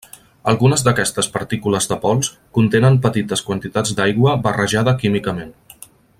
Algunes d'aquestes partícules de pols contenen petites quantitats d'aigua barrejada químicament.